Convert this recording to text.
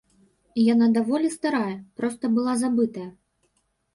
Яна даволі старая, проста была забытая.